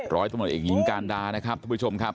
ร้อยตำรวจเอกหญิงการดานะครับท่านผู้ชมครับ